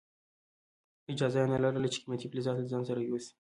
اجازه یې نه لرله چې قیمتي فلزات له ځان سره یوسي.